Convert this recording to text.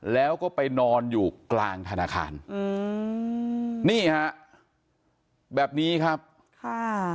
แล้วก็ไปนอนอยู่กลางธนาคารอืมนี่ฮะแบบนี้ครับค่ะ